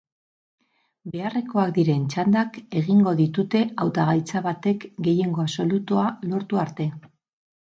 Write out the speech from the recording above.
Beharrekoak diren txandak egingo ditute hautagaitza batek gehiengo absolutua lortu arte.